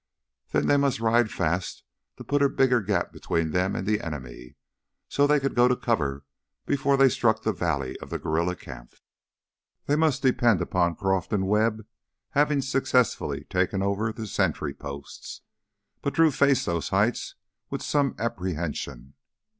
Then they must ride fast to put a bigger gap between them and the enemy so they could go to cover before they struck the valley of the guerrilla camp. They must depend upon Croff and Webb having successfully taken over the sentry posts. But Drew faced those heights with some apprehension.